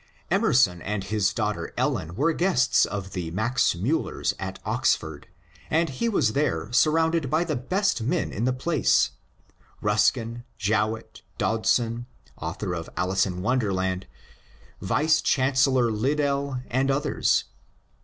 Emerson and his daughter Ellen were guests of the Max Miillers at Oxford, and he was there surrounded by the best men in the place, — Euskin, Jowett, Dodson (author of ^^ Alice in Wonderland "), yice Chancellor Liddell, and others.